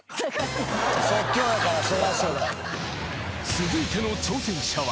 ［続いての挑戦者は］